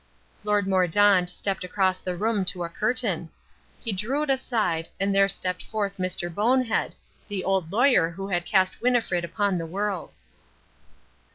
Lord Mordaunt stepped across the room to a curtain. He drew it aside, and there stepped forth Mr. Bonehead, the old lawyer who had cast Winnifred upon the world.